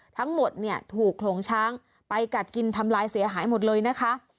ทั้งหมดเนี่ยถูกโขลงช้างไปกัดกินทำลายเสียหายหมดเลยนะคะ